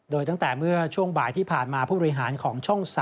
โดยตั้งแต่เมื่อช่วงบ่ายที่ผ่านมาผู้บริหารของช่อง๓